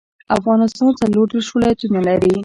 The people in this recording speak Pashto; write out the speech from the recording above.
افغانستان څلوردیش ولایتونه لري.